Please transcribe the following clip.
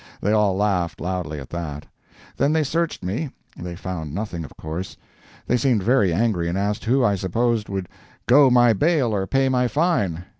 They all laughed loudly at that. Then they searched me. They found nothing, of course. They seemed very angry and asked who I supposed would "go my bail or pay my fine."